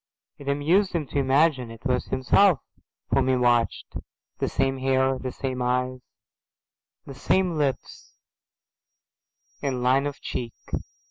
It amused him to imagine it was himself whom he watched, the same hair, the same eyes, the same lips and line of cheek.